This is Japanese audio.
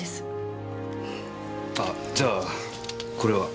あじゃあこれは？